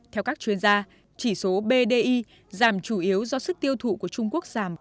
theo các chuyên gia chỉ số bdi giảm chủ yếu do sức tiêu thụ của trung quốc giảm